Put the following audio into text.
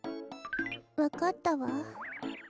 わかったわ。